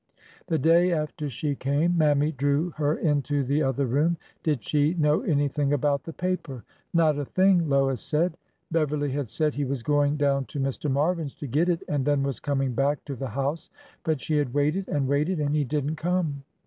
The day after she came. Mammy drew her into the other room. Did she know anything about the paper? Not a thing, Lois said. Beverly had said he was going THE CERTIFICATE 305 down to Mr. Marvin's to get it and then was coming back to the house, but she had waited and waited and he did n't come.